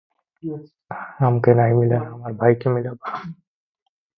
There are numerous places in Scotland from which the surname is derived.